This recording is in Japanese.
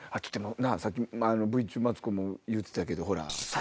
さっきＶＴＲ中マツコも言うてたけど。